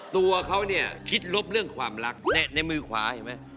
ตัวเขาเนี่ยคิดลบเรื่องความรักในมือขวาเห็นไหม